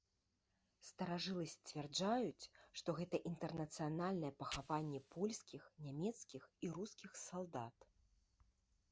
Старажылы сцвярджаюць, што гэта інтэрнацыянальнае пахаванне польскіх, нямецкіх і рускіх салдат.